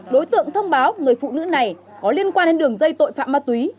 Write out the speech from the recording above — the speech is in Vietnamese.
đối tượng thông báo người phụ nữ này có liên quan đến đường dây tội phạm ma túy